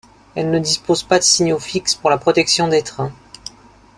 Elle ne dispose pas de signaux fixes pour la protection des trains.